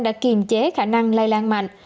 đã kiềm chế khả năng lây lan mạnh